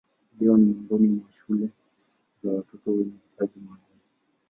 Leo ni miongoni mwa shule za watoto wenye vipaji maalumu.